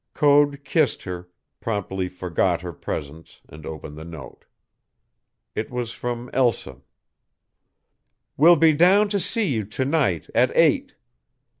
Code kissed her, promptly forgot her presence, and opened the note. It was from Elsa. "Will be down to see you to night at eight.